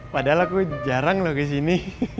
padahal aku jarang loh kesini